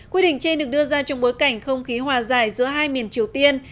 quyết định trên được đưa ra trong bối cảnh không khí hòa giải giữa hai miền triều tiên